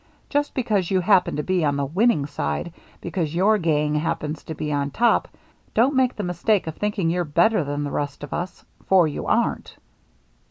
Just because you happen to be on the winning side, because your gang happens to be on top, don't make the mistake of thinking you're bet ter than the rest of us. For you aren't."